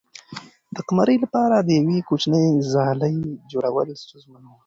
د قمرۍ لپاره د یوې کوچنۍ ځالۍ جوړول ستونزمن و.